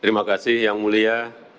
terima kasih yang mulia